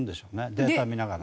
データ見ながら。